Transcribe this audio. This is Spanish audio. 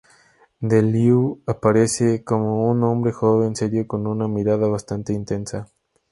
De Leeuw aparece como un hombre joven serio con una mirada bastante intensa.